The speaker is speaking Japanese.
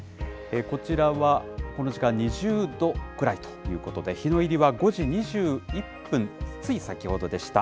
こちらは、この時間２０度くらいということで、日の入りは５時２１分、つい先ほどでした。